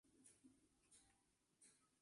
Tres de ellas son fijas y tres son móviles.